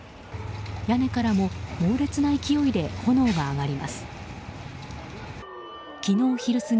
屋根からも猛烈な勢いで炎が上がります。